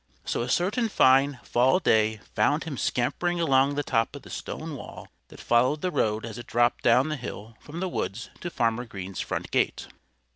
So a certain fine, fall day found him scampering along the top of the stone wall that followed the road as it dropped down the hill from the woods to Farmer Green's front gate.